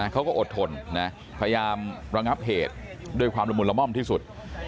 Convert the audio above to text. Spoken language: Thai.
เขาก็อดทนนะพยายามระงับเหตุด้วยความละมุนละม่อมที่สุด